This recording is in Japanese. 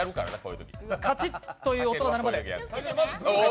カチッと音が鳴るまで。